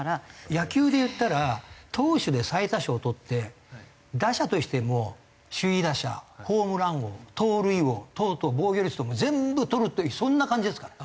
野球で言ったら投手で最多勝取って打者としても首位打者ホームラン王盗塁王等々防御率とかも全部取るというそんな感じですか？